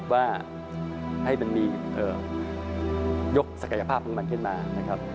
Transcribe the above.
ว่าให้มียกศักยภาพมาเกิดมา